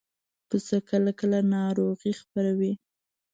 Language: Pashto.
پسه کله کله ناروغي خپروي.